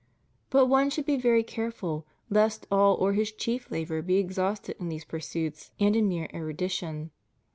But one should be very careful lest all or his chief labor be exhausted in these pursuits and in mere erudition.